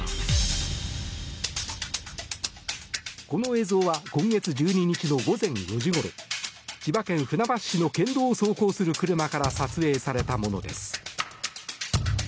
この映像は今月１２日の午前４時ごろ千葉県船橋市の県道を走行する車から撮影されたものです。